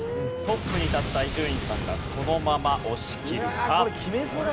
トップに立った伊集院さんがこのまま押し切るか？